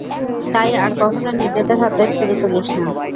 তাই আর কখনও নিজেদের হাতে ছুরি তুলিস না।